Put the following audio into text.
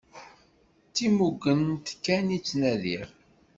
D timugent kan i ttnadiɣ.